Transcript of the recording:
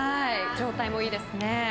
状態もいいですね。